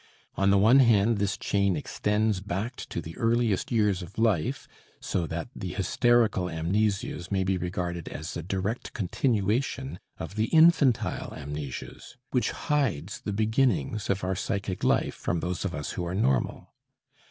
On the one hand this chain extends back to the earliest years of life, so that the hysterical amnesias may be regarded as the direct continuation of the infantile amnesias, which hides the beginnings of our psychic life from those of us who are normal.